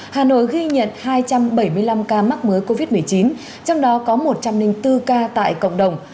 hà nội ghi nhận hai trăm bảy mươi năm ca mắc mới covid một mươi chín trong đó có một trăm linh bốn ca tại cộng đồng